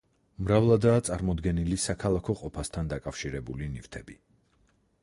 მრავლადაა წარმოდგენილი საქალაქო ყოფასთან დაკავშირებული ნივთები.